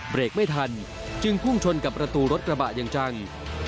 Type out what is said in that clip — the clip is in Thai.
เบรกไม่ทันจึงพุ่งชนกับประตูรถกระบะอย่างจัง